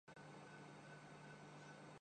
تو آسمانوں پہ۔